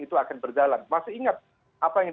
itu akan berjalan masih ingat apa yang